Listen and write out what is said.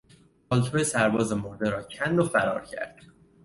پالتو سرباز مرده را کند و فرار کرد.